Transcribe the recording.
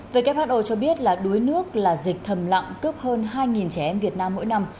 who cho biết là đuối nước là dịch thầm lặng cướp hơn hai trẻ em việt nam mỗi năm